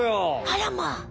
あらまあ！